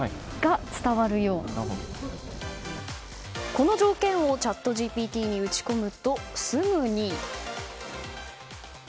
この条件をチャットＧＰＴに打ち込むとすぐに。